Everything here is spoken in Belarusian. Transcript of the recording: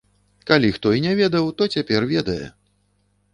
Калі хто і не ведаў, то цяпер ведае!